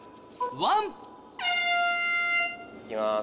いきます。